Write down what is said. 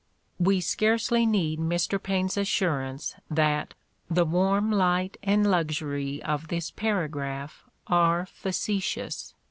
"We scarcely need Mr. Paine 's assurance that "the warm light and luxury of this paragraph are facetious.